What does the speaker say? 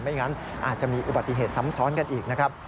งั้นอาจจะมีอุบัติเหตุซ้ำซ้อนกันอีกนะครับ